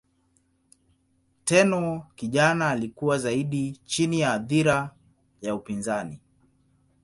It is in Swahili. Tenno kijana alikuwa zaidi chini ya athira ya upinzani.